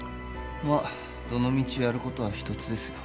まあどのみちやることは一つですよ